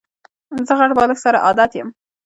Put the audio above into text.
زه غټ بالښت سره عادت یم.